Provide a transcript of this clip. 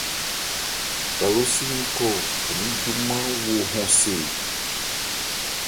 Kalósi ń khɔ an ní júmán wo hɔn see e ?